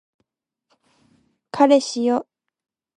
彼氏よ